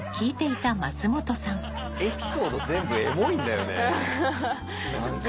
エピソード全部エモいんだよね何か。